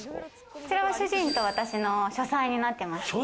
こちらは主人と私の書斎になってます。